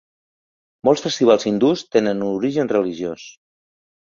Molts festivals hindús tenen un origen religiós.